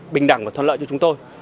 bình đẳng và thuận lợi cho chúng tôi